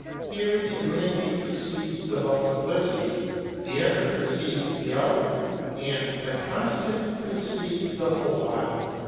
Here the unity precedes the multiplicity, the inner precedes the outer, and the Constant precedes the mobile.